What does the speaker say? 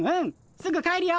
すぐ帰るよ。